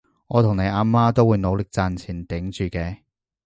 我同你阿媽都會努力賺錢頂住嘅